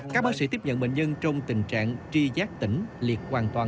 các bác sĩ tiếp nhận bệnh nhân trong tình trạng tri giác tỉnh liệt hoàn toàn